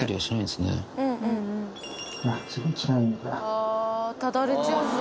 あぁただれちゃうんだ。